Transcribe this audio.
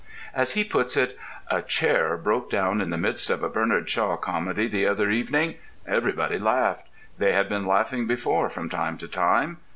As he puts it: A chair broke down in the midst of a Bernard Shaw comedy the other evening. Everybody laughed. They had been laughing before from time to time.